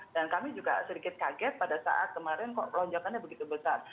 dan kami juga sedikit kaget pada saat kemarin kok lonjakannya begitu besar